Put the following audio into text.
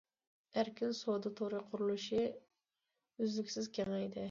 ئەركىن سودا تورى قۇرۇلۇشى ئۈزلۈكسىز كېڭەيدى.